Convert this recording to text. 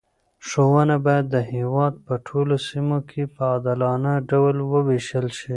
ښوونه باید د هېواد په ټولو سیمو کې په عادلانه ډول وویشل شي.